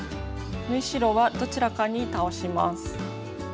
縫い代はどちらかに倒します。